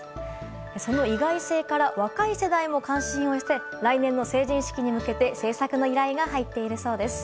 その意外性から若い世代も関心を寄せ来年の成人式に向けての制作の依頼が入っているそうです。